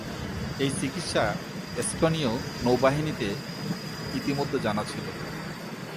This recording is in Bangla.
এই চিকিৎসা স্পেনীয় নৌবাহিনীতে ইতোমধ্যে জানা ছিল।